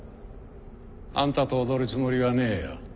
あんたと踊るつもりはねえよ。